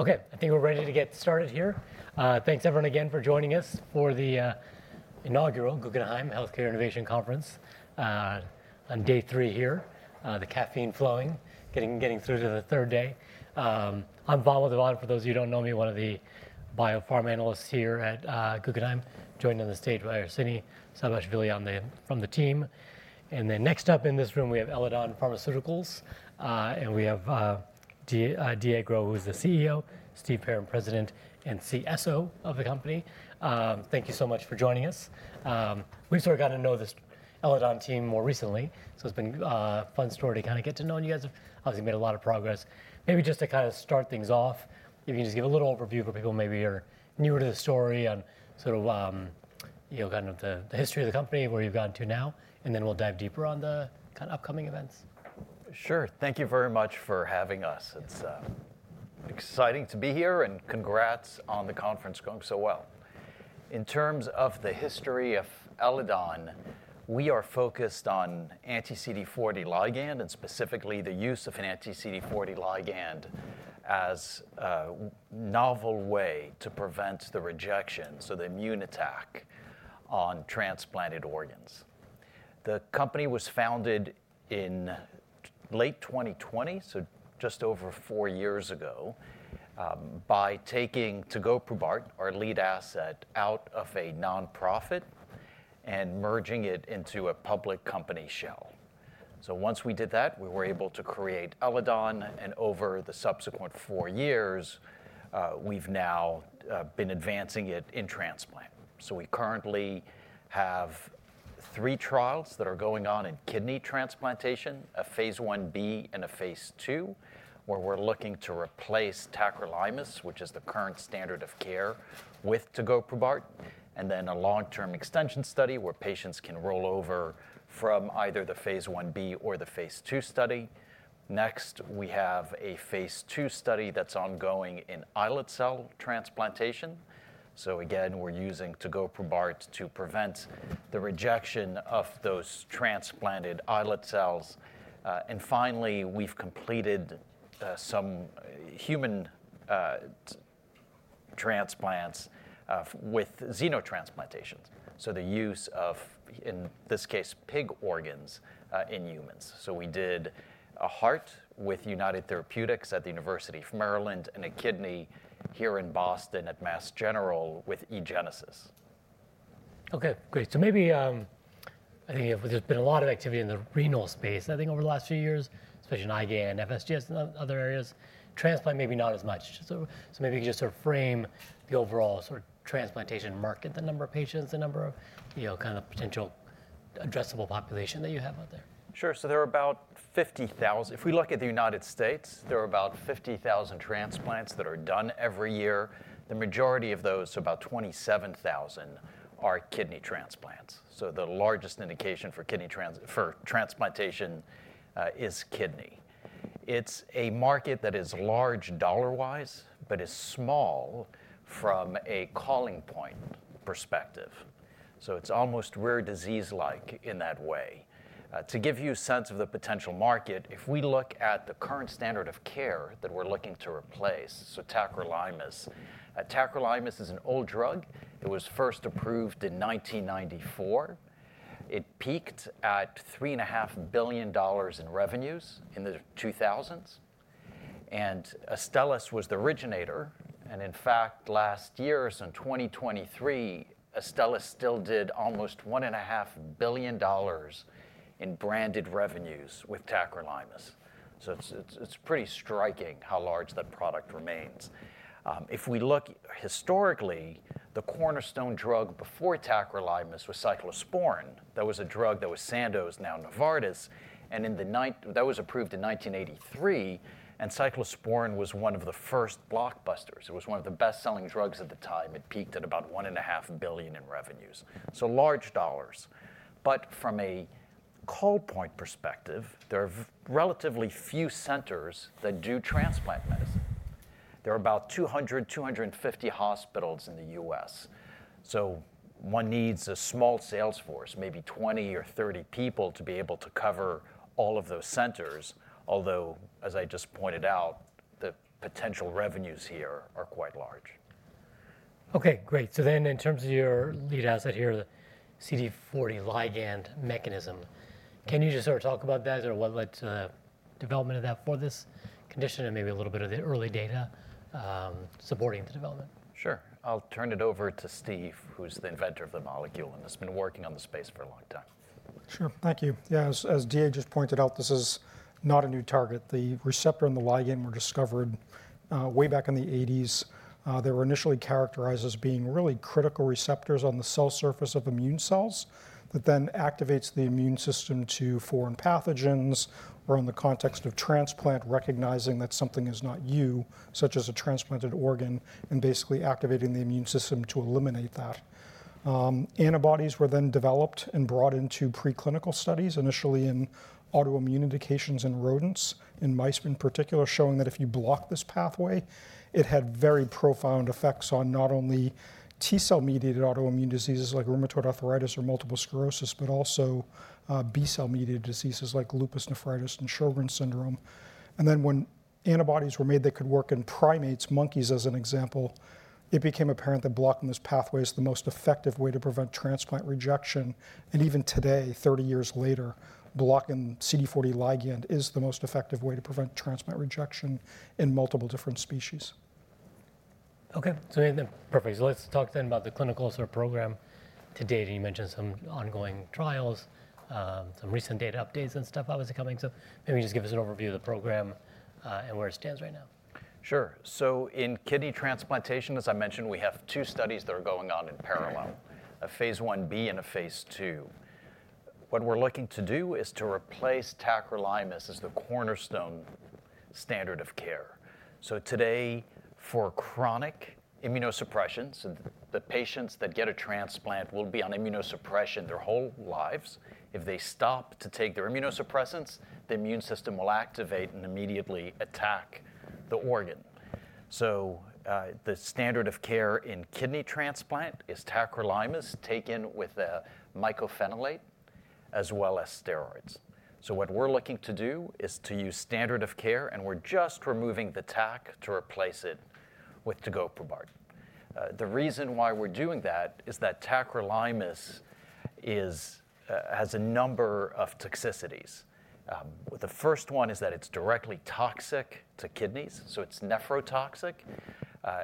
All right. Okay, I think we're ready to get started here. Thanks, everyone, again for joining us for the inaugural Guggenheim Healthcare Innovation Conference on day three here. The caffeine flowing, getting through to the third day. I'm Paul Little, for those of you who don't know me, one of the bio-pharma analysts here at Guggenheim, joined on the stage by our Sydney Szabolcs, Vamil Divan from the team. And then next up in this room, we have Eledon Pharmaceuticals, and we have David-Alexandre Gros, who's the CEO, Steven Perrin, President and CSO of the company. Thank you so much for joining us. We've sort of gotten to know this Eledon team more recently, so it's been a fun story to kind of get to know you guys. Obviously, made a lot of progress. Maybe just to kind of start things off, if you can just give a little overview for people maybe who are newer to the story on sort of kind of the history of the company, where you've gotten to now, and then we'll dive deeper on the kind of upcoming events. Sure. Thank you very much for having us. It's exciting to be here, and congrats on the conference going so well. In terms of the history of Eledon, we are focused on anti-CD40 ligand, and specifically the use of an anti-CD40 ligand as a novel way to prevent the rejection, so the immune attack, on transplanted organs. The company was founded in late 2020, so just over four years ago, by taking tegoprubart to go our lead asset out of a nonprofit and merging it into a public company shell. So once we did that, we were able to create Eledon, and over the subsequent four years, we've now been advancing it in transplant. So we currently have three trials that are going on in kidney transplantation, a phase 1b and a phase 2, where we're looking to replace tacrolimus, which is the current standard of care, with tegoprubart, and then a long-term extension study where patients can roll over from either the phase 1b or the phase 2 study. Next, we have a phase 2 study that's ongoing in islet cell transplantation. So again, we're using tegoprubart to prevent the rejection of those transplanted islet cells. And finally, we've completed some human transplants with xenotransplantation, so the use of, in this case, pig organs in humans. So we did a heart with United Therapeutics at the University of Maryland and a kidney here in Boston at Mass General with eGenesis. Okay, great. So maybe I think there's been a lot of activity in the renal space, I think, over the last few years, especially in IgA and FSGS and other areas. Transplant, maybe not as much. So maybe you can just sort of frame the overall sort of transplantation market, the number of patients, the number of kind of potential addressable population that you have out there. Sure. So there are about 50,000. If we look at the United States, there are about 50,000 transplants that are done every year. The majority of those, about 27,000, are kidney transplants. So the largest indication for kidney transplantation is kidney. It's a market that is large dollar-wise, but is small from a ceiling point perspective. So it's almost rare disease-like in that way. To give you a sense of the potential market, if we look at the current standard of care that we're looking to replace, so tacrolimus. Tacrolimus is an old drug. It was first approved in 1994. It peaked at $3.5 billion in revenues in the 2000s. And Astellas was the originator. And in fact, last year, so in 2023, Astellas still did almost $1.5 billion in branded revenues with tacrolimus. So it's pretty striking how large that product remains. If we look historically, the cornerstone drug before tacrolimus was cyclosporine. That was a drug that was Sandoz, now Novartis, and that was approved in 1983. And cyclosporine was one of the first blockbusters. It was one of the best-selling drugs at the time. It peaked at about $1.5 billion in revenues. So large dollars. But from a call point perspective, there are relatively few centers that do transplant medicine. There are about 200-250 hospitals in the U.S. So one needs a small sales force, maybe 20 or 30 people, to be able to cover all of those centers, although, as I just pointed out, the potential revenues here are quite large. Okay, great. So then in terms of your lead asset here, the CD40 ligand mechanism, can you just sort of talk about that? Is there a development of that for this condition and maybe a little bit of the early data supporting the development? Sure. I'll turn it over to Steve, who's the inventor of the molecule and has been working on the space for a long time. Sure. Thank you. Yeah, as David-Alexandre just pointed out, this is not a new target. The receptor and the ligand were discovered way back in the 1980s. They were initially characterized as being really critical receptors on the cell surface of immune cells that then activates the immune system to foreign pathogens or in the context of transplant, recognizing that something is not you, such as a transplanted organ, and basically activating the immune system to eliminate that. Antibodies were then developed and brought into preclinical studies, initially in autoimmune indications and rodents, in mice in particular, showing that if you block this pathway, it had very profound effects on not only T-cell-mediated autoimmune diseases like rheumatoid arthritis or multiple sclerosis, but also B-cell-mediated diseases like lupus nephritis and Sjögren's syndrome. Then when antibodies were made that could work in primates, monkeys as an example, it became apparent that blocking this pathway is the most effective way to prevent transplant rejection. Even today, 30 years later, blocking CD40 ligand is the most effective way to prevent transplant rejection in multiple different species. Okay. So perfect. So let's talk then about the clinical sort of program to date. And you mentioned some ongoing trials, some recent data updates and stuff obviously coming. So maybe just give us an overview of the program and where it stands right now. Sure. So in kidney transplantation, as I mentioned, we have two studies that are going on in parallel, a phase 1b and a phase 2. What we're looking to do is to replace tacrolimus as the cornerstone standard of care. So today, for chronic immunosuppression, so the patients that get a transplant will be on immunosuppression their whole lives. If they stop to take their immunosuppressants, the immune system will activate and immediately attack the organ. So the standard of care in kidney transplant is tacrolimus taken with a mycophenolate as well as steroids. So what we're looking to do is to use standard of care, and we're just removing the tac to replace it with tegoprubart. The reason why we're doing that is that tacrolimus has a number of toxicities. The first one is that it's directly toxic to kidneys, so it's nephrotoxic.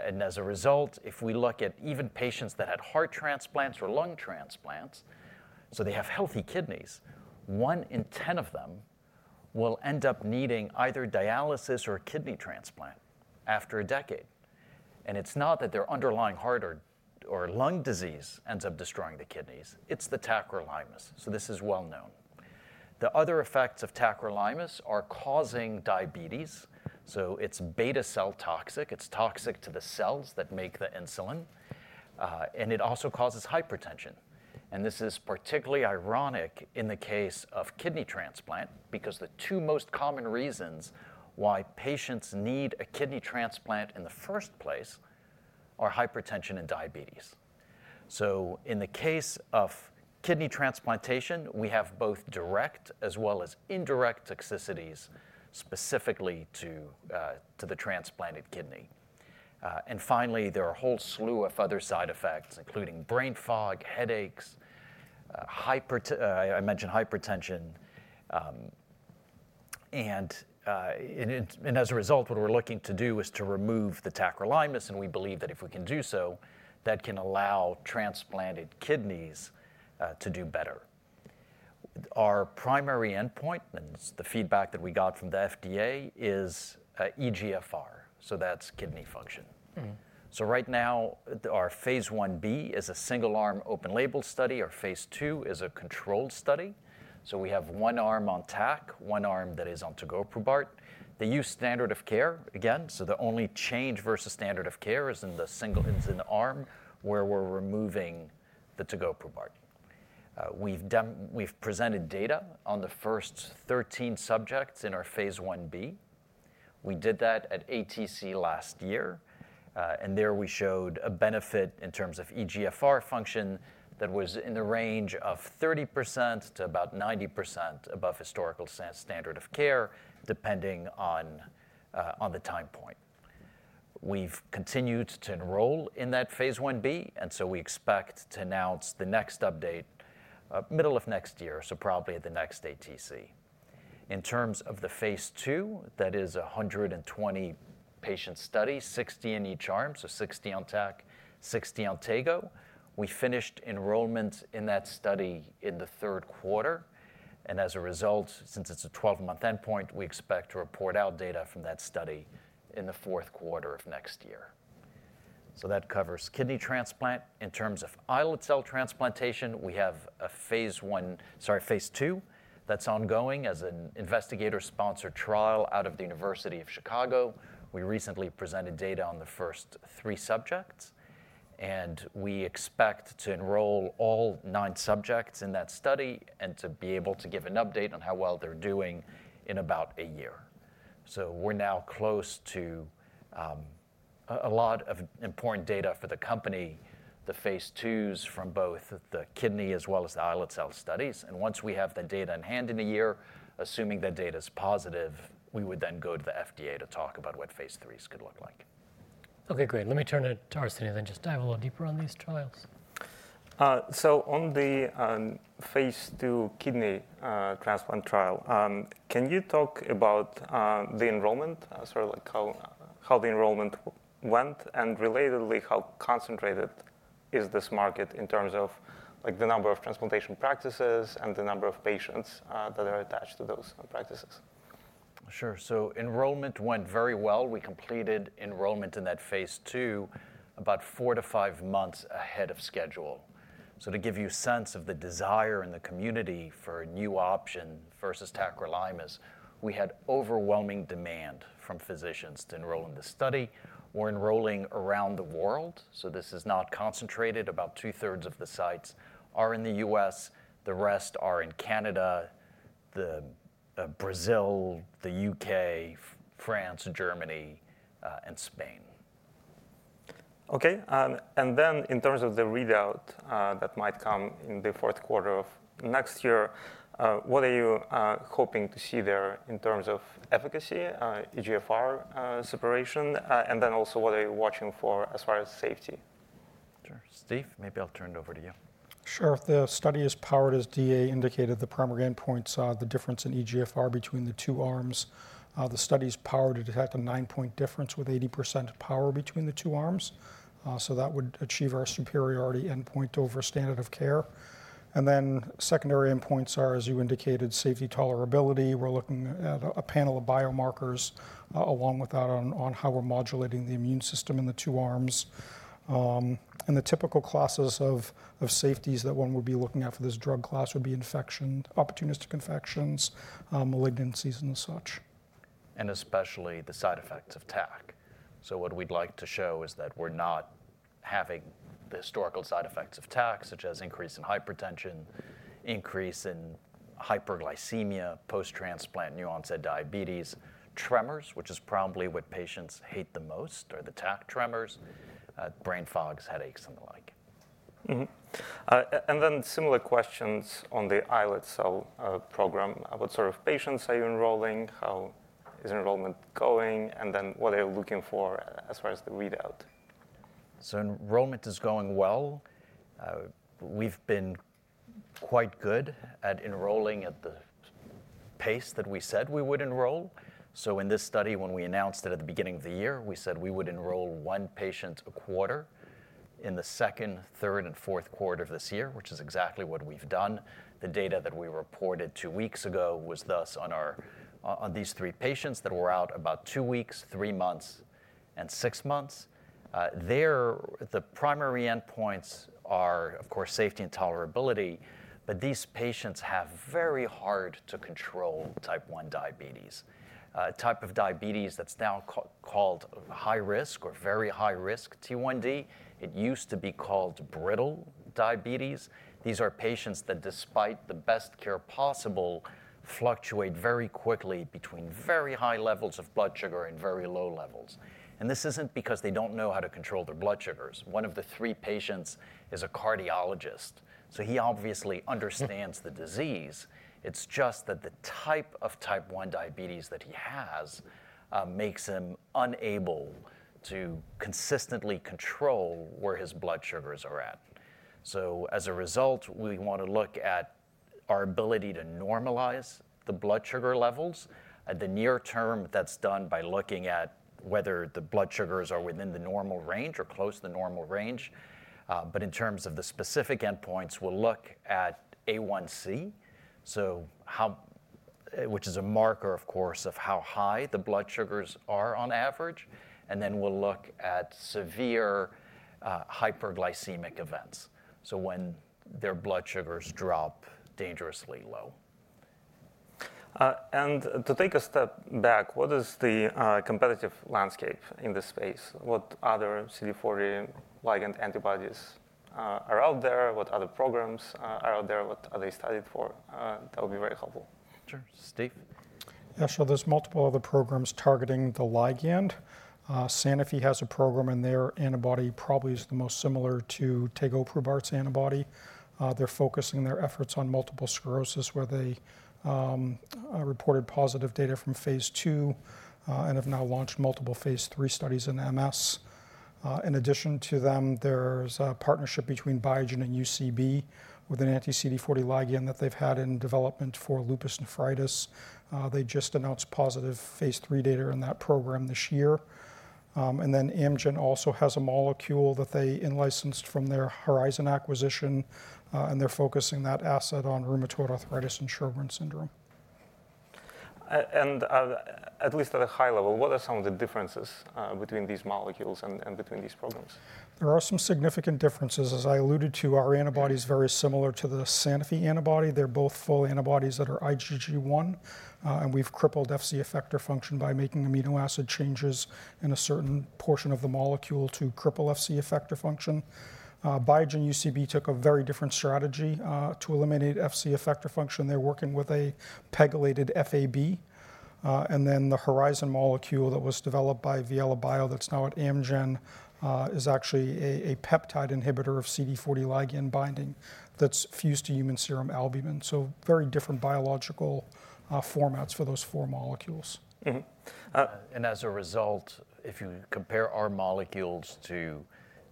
And as a result, if we look at even patients that had heart transplants or lung transplants, so they have healthy kidneys, one in 10 of them will end up needing either dialysis or a kidney transplant after a decade. And it's not that their underlying heart or lung disease ends up destroying the kidneys. It's the tacrolimus. So this is well known. The other effects of tacrolimus are causing diabetes. So it's beta cell toxic. It's toxic to the cells that make the insulin. And it also causes hypertension. And this is particularly ironic in the case of kidney transplant because the two most common reasons why patients need a kidney transplant in the first place are hypertension and diabetes. In the case of kidney transplantation, we have both direct as well as indirect toxicities specifically to the transplanted kidney. And finally, there are a whole slew of other side effects, including brain fog, headaches. I mentioned hypertension. And as a result, what we're looking to do is to remove the tacrolimus. And we believe that if we can do so, that can allow transplanted kidneys to do better. Our primary endpoint, and it's the feedback that we got from the FDA, is eGFR. So that's kidney function. Right now, our phase 1b is a single-arm open-label study. Our phase 2 is a controlled study. We have one arm on tac, one arm that is on tegoprubart. They use standard of care, again, so the only change versus standard of care is in the arm where we're removing the tegoprubart. We've presented data on the first 13 subjects in our phase 1b. We did that at ATC last year, and there we showed a benefit in terms of eGFR function that was in the range of 30% to about 90% above historical standard of care, depending on the time point. We've continued to enroll in that phase 1b, and so we expect to announce the next update middle of next year, so probably at the next ATC. In terms of the phase 2, that is 120 patient studies, 60 in each arm, so 60 on tac, 60 on tegoprubart. We finished enrollment in that study in the third quarter. As a result, since it's a 12-month endpoint, we expect to report out data from that study in the fourth quarter of next year. So that covers kidney transplant. In terms of islet cell transplantation, we have a phase 1, sorry, phase 2 that's ongoing as an investigator-sponsored trial out of the University of Chicago. We recently presented data on the first three subjects. And we expect to enroll all nine subjects in that study and to be able to give an update on how well they're doing in about a year. So we're now close to a lot of important data for the company, the phase 2s from both the kidney as well as the islet cell studies. Once we have the data in hand in a year, assuming that data is positive, we would then go to the FDA to talk about what phase 3s could look like. Okay, great. Let me turn it to our study and then just dive a little deeper on these trials. So on the phase 2 kidney transplant trial, can you talk about the enrollment, sort of like how the enrollment went and relatedly, how concentrated is this market in terms of the number of transplantation practices and the number of patients that are attached to those practices? Sure. So enrollment went very well. We completed enrollment in that phase 2 about four to five months ahead of schedule. So to give you a sense of the desire in the community for a new option versus tacrolimus, we had overwhelming demand from physicians to enroll in the study. We're enrolling around the world. So this is not concentrated. About two-thirds of the sites are in the U.S. The rest are in Canada, Brazil, the U.K., France, Germany, and Spain. Okay. And then in terms of the readout that might come in the fourth quarter of next year, what are you hoping to see there in terms of efficacy, eGFR separation, and then also what are you watching for as far as safety? Sure. Steve, maybe I'll turn it over to you. Sure. The study is powered, as Gros indicated. The primary endpoints are the difference in eGFR between the two arms. The study is powered to detect a nine-point difference with 80% power between the two arms, so that would achieve our superiority endpoint over standard of care, and then secondary endpoints are, as you indicated, safety, tolerability. We're looking at a panel of biomarkers along with that on how we're modulating the immune system in the two arms. And the typical classes of safeties that one would be looking at for this drug class would be infection, opportunistic infections, malignancies, and such. Especially the side effects of Tac. What we'd like to show is that we're not having the historical side effects of Tac, such as increase in hypertension, increase in hyperglycemia, post-transplant new-onset diabetes, tremors, which is probably what patients hate the most, or the Tac tremors, brain fogs, headaches, and the like. And then similar questions on the islet cell program. What sort of patients are you enrolling? How is enrollment going? And then what are you looking for as far as the readout? Enrollment is going well. We've been quite good at enrolling at the pace that we said we would enroll. In this study, when we announced it at the beginning of the year, we said we would enroll one patient a quarter in the second, third, and fourth quarter of this year, which is exactly what we've done. The data that we reported two weeks ago was thus on these three patients that were out about two weeks, three months, and six months. There, the primary endpoints are, of course, safety and tolerability. But these patients have very hard-to-control Type 1 diabetes, a type of diabetes that's now called high risk or very high risk, T1D. It used to be called brittle diabetes. These are patients that, despite the best care possible, fluctuate very quickly between very high levels of blood sugar and very low levels. This isn't because they don't know how to control their blood sugars. One of the three patients is a cardiologist. He obviously understands the disease. It's just that the type of Type 1 diabetes that he has makes him unable to consistently control where his blood sugars are at. As a result, we want to look at our ability to normalize the blood sugar levels in the near term. That's done by looking at whether the blood sugars are within the normal range or close to the normal range. In terms of the specific endpoints, we'll look at A1C, which is a marker, of course, of how high the blood sugars are on average. Then we'll look at severe hypoglycemic events, so when their blood sugars drop dangerously low. To take a step back, what is the competitive landscape in this space? What other CD40 ligand antibodies are out there? What other programs are out there? What are they studied for? That would be very helpful. Sure. Steve. Yeah. So there's multiple other programs targeting the ligand. Sanofi has a program in there. Antibody probably is the most similar to tegoprubart's antibody. They're focusing their efforts on multiple sclerosis, where they reported positive data from phase 2 and have now launched multiple phase 3 studies in MS. In addition to them, there's a partnership between Biogen and UCB with an anti-CD40 ligand that they've had in development for lupus nephritis. They just announced positive phase 3 data in that program this year. And then Amgen also has a molecule that they licensed from their Horizon acquisition. And they're focusing that asset on rheumatoid arthritis and Sjögren's syndrome. At least at a high level, what are some of the differences between these molecules and between these programs? There are some significant differences. As I alluded to, our antibody is very similar to the Sanofi antibody. They're both full antibodies that are IgG1. And we've crippled Fc effector function by making amino acid changes in a certain portion of the molecule to cripple Fc effector function. Biogen UCB took a very different strategy to eliminate Fc effector function. They're working with a pegylated Fab. And then the Horizon molecule that was developed by Viela Bio that's now at Amgen is actually a peptide inhibitor of CD40 ligand binding that's fused to human serum albumin. So very different biological formats for those four molecules. As a result, if you compare our molecules to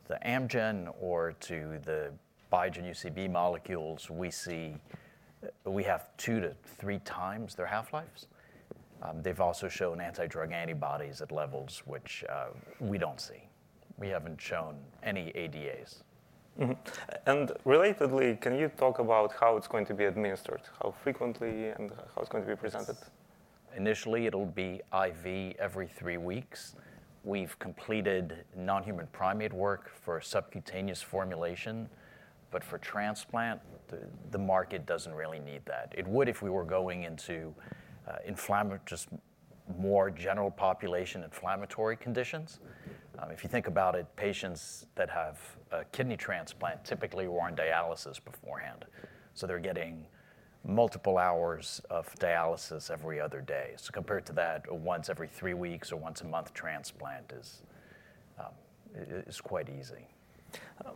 the Amgen or to the Biogen UCB molecules, we see we have two to three times their half-lives. They've also shown antidrug antibodies at levels which we don't see. We haven't shown any ADAs. Relatedly, can you talk about how it's going to be administered, how frequently, and how it's going to be presented? Initially, it'll be IV every three weeks. We've completed non-human primate work for subcutaneous formulation. But for transplant, the market doesn't really need that. It would if we were going into just more general population inflammatory conditions. If you think about it, patients that have a kidney transplant typically were on dialysis beforehand. So they're getting multiple hours of dialysis every other day. So compared to that, a once every three weeks or once a month transplant is quite easy.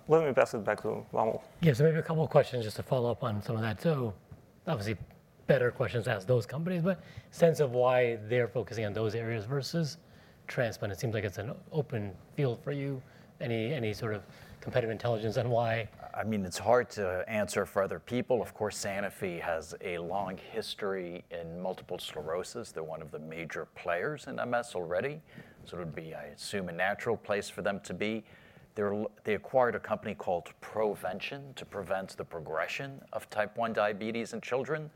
Let me pass it back to Vamil. Yeah. So maybe a couple of questions just to follow up on some of that. So obviously, better questions to ask those companies, but sense of why they're focusing on those areas versus transplant. It seems like it's an open field for you. Any sort of competitive intelligence on why? I mean, it's hard to answer for other people. Of course, Sanofi has a long history in multiple sclerosis. They're one of the major players in MS already. So it would be, I assume, a natural place for them to be. They acquired a company called Provention to prevent the progression of type 1 diabetes in children,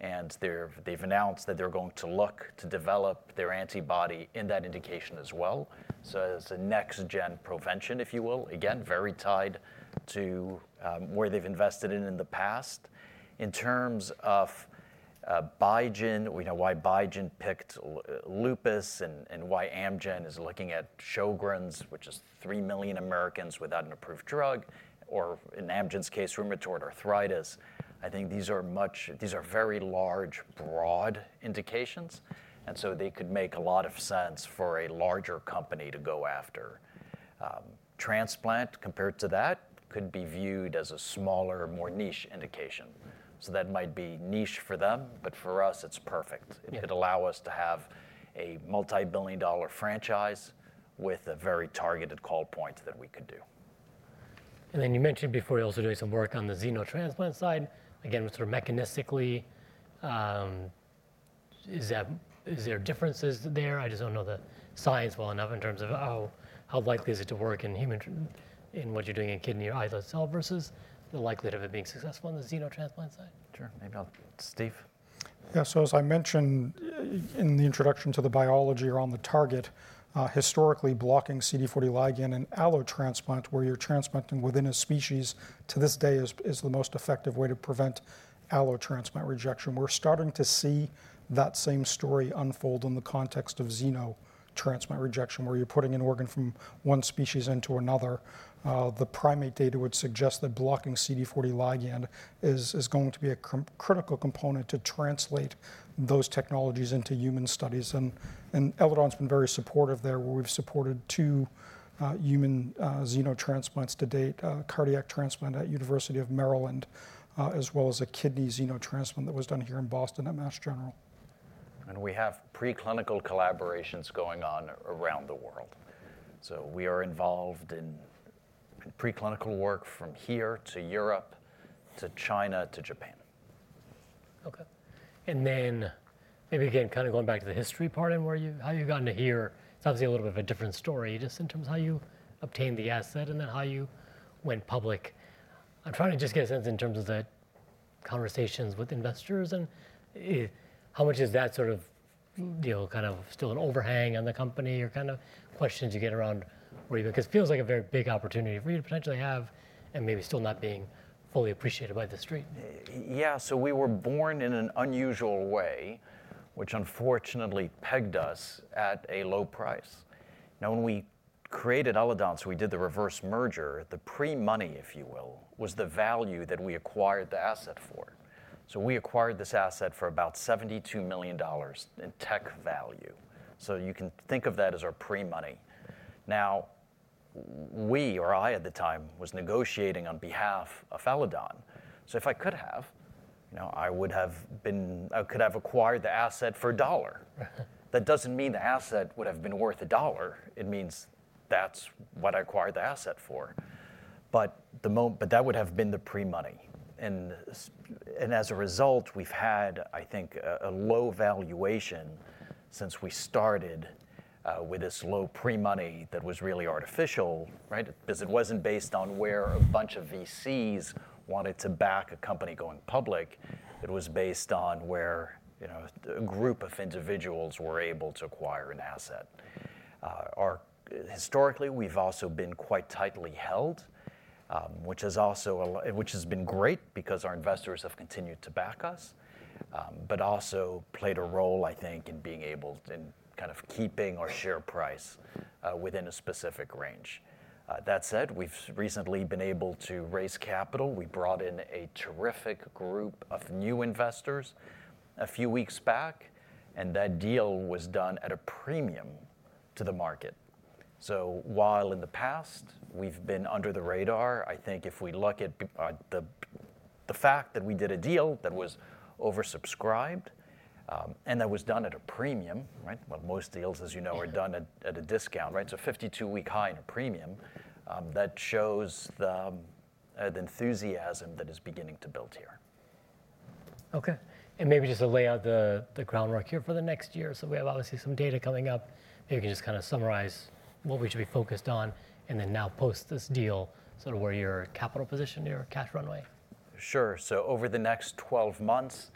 and they've announced that they're going to look to develop their antibody in that indication as well, so as a next-gen prevention, if you will, again, very tied to where they've invested in in the past. In terms of Biogen, we know why Biogen picked lupus and why Amgen is looking at Sjögren's, which is three million Americans without an approved drug, or in Amgen's case, rheumatoid arthritis. I think these are very large, broad indications, and so they could make a lot of sense for a larger company to go after. Transplant, compared to that, could be viewed as a smaller, more niche indication. So that might be niche for them. But for us, it's perfect. It would allow us to have a multi-billion-dollar franchise with a very targeted call point that we could do. And then you mentioned before you're also doing some work on the xenotransplant side. Again, sort of mechanistically, is there differences there? I just don't know the science well enough in terms of how likely is it to work in what you're doing in kidney or islet cell versus the likelihood of it being successful on the xenotransplant side? Sure. Maybe I'll Steve. Yeah. As I mentioned in the introduction to the biology around the target, historically, blocking CD40 ligand in allotransplant, where you're transplanting within a species to this day, is the most effective way to prevent allotransplant rejection. We're starting to see that same story unfold in the context of xenotransplant rejection, where you're putting an organ from one species into another. The primate data would suggest that blocking CD40 ligand is going to be a critical component to translate those technologies into human studies. Eledon's been very supportive there, where we've supported two human xenotransplants to date, a cardiac transplant at University of Maryland, as well as a kidney xenotransplant that was done here in Boston at Mass General. We have preclinical collaborations going on around the world. We are involved in preclinical work from here to Europe to China to Japan. Okay, and then maybe again, kind of going back to the history part and how you got into here, it's obviously a little bit of a different story just in terms of how you obtained the asset and then how you went public. I'm trying to just get a sense in terms of the conversations with investors, and how much is that sort of kind of still an overhang on the company or kind of questions you get around where you because it feels like a very big opportunity for you to potentially have and maybe still not being fully appreciated by the street. Yeah. So we were born in an unusual way, which unfortunately pegged us at a low price. Now, when we created Eledon, so we did the reverse merger, the pre-money, if you will, was the value that we acquired the asset for. So we acquired this asset for about $72 million in tech value. So you can think of that as our pre-money. Now, we, or I at the time, was negotiating on behalf of Eledon. So if I could have, I would have been I could have acquired the asset for a dollar. That doesn't mean the asset would have been worth a dollar. It means that's what I acquired the asset for. But that would have been the pre-money. As a result, we've had, I think, a low valuation since we started with this low pre-money that was really artificial, right, because it wasn't based on where a bunch of VCs wanted to back a company going public. It was based on where a group of individuals were able to acquire an asset. Historically, we've also been quite tightly held, which has also been great because our investors have continued to back us, but also played a role, I think, in being able in kind of keeping our share price within a specific range. That said, we've recently been able to raise capital. We brought in a terrific group of new investors a few weeks back. That deal was done at a premium to the market. So, while in the past we've been under the radar, I think if we look at the fact that we did a deal that was oversubscribed and that was done at a premium, right? Well, most deals, as you know, are done at a discount, right? So, 52-week high and a premium, that shows the enthusiasm that is beginning to build here. Okay, and maybe just to lay out the groundwork here for the next year, so we have obviously some data coming up. Maybe you can just kind of summarize what we should be focused on and then now post this deal, sort of where your capital position, your cash runway. Sure. So over the next 12 months,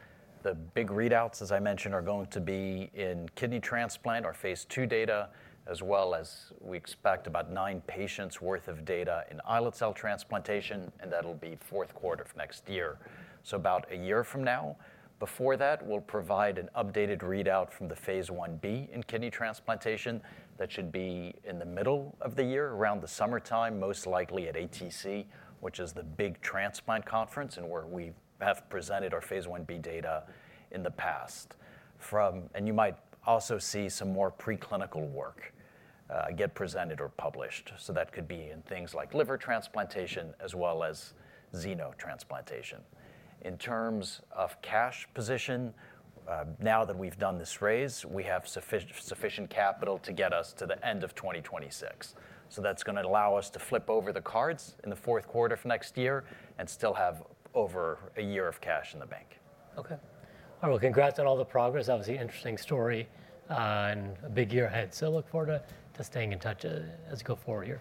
the big readouts, as I mentioned, are going to be in kidney transplant, our phase 2 data, as well as we expect about nine patients' worth of data in islet cell transplantation. That'll be fourth quarter of next year, so about a year from now. Before that, we'll provide an updated readout from the phase 1b in kidney transplantation. That should be in the middle of the year, around the summertime, most likely at ATC, which is the big transplant conference and where we have presented our phase 1b data in the past. You might also see some more preclinical work get presented or published, so that could be in things like liver transplantation as well as xenotransplantation. In terms of cash position, now that we've done this raise, we have sufficient capital to get us to the end of 2026. So that's going to allow us to flip over the cards in the fourth quarter of next year and still have over a year of cash in the bank. Okay. All right. Congrats on all the progress. Obviously, interesting story and a big year ahead. Look forward to staying in touch as we go forward here.